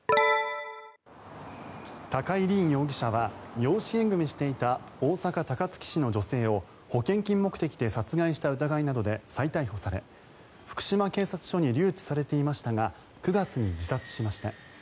高井凜容疑者は養子縁組していた大阪・高槻市の女性を保険金目的で殺害した疑いなどで再逮捕され福島警察署に留置されていましたが９月に自殺しました。